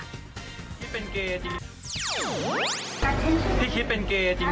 คิดเป็นเกย์ยะจริง